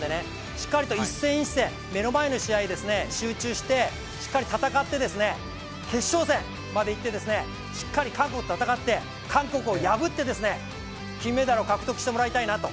しっかりと一戦一戦、目の前に試合に集中して、しっかり戦って決勝戦までいってしっかり韓国と戦って韓国を破って金メダルを獲得してもらいたいと。